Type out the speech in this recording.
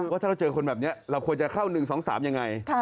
ว่าถ้าเราเจอคนแบบนี้เราควรจะเข้า๑๒๓ยังไง